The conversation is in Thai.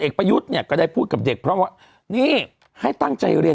ประยุทธ์เนี่ยก็ได้พูดกับเด็กเพราะว่านี่ให้ตั้งใจเรียน